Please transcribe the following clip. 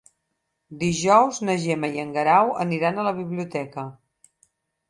Dijous na Gemma i en Guerau aniran a la biblioteca.